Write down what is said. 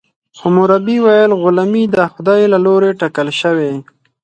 حموربي ویل غلامي د خدای له لورې ټاکل شوې.